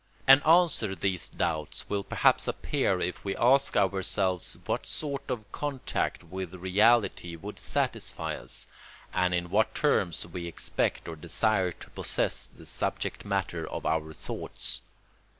] An answer these doubts will perhaps appear if we ask ourselves what sort of contact with reality would satisfy us, and in what terms we expect or desire to possess the subject matter of our thoughts.